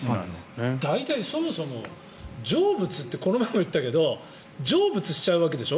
大体、そもそもこの前も言ったけど成仏しちゃうわけでしょ。